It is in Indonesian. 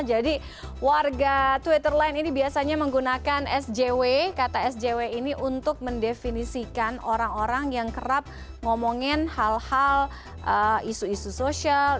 jadi warga twitter lain ini biasanya menggunakan sjw kata sjw ini untuk mendefinisikan orang orang yang kerap ngomongin hal hal isu isu sosial